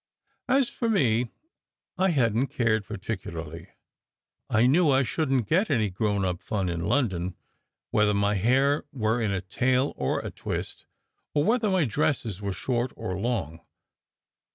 As for me, I hadn t cared particularly. I knew I shouldn t get any grown up fun in London, whether my hair were in a tail or a twist, or whether my dresses were short or long.